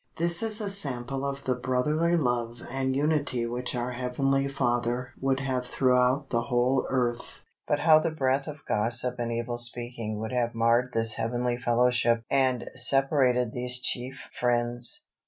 This is a sample of the brotherly love and unity which our Heavenly Father would have throughout the whole earth; but how the breath of gossip and evil speaking would have marred this heavenly fellowship and separated these "chief friends"!